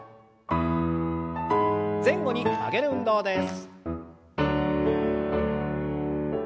前後に曲げる運動です。